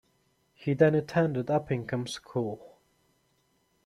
He then attended Uppingham School.